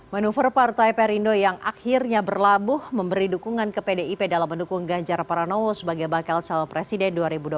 manuver partai perindo yang akhirnya berlabuh memberi dukungan ke pdip dalam mendukung ganjar pranowo sebagai bakal calon presiden dua ribu dua puluh empat